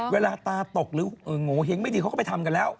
เวลาตาตกหรือโงเห้งไม่ดีเขาก็ไปทำกันแล้ว